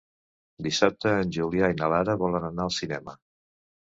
Dissabte en Julià i na Lara volen anar al cinema.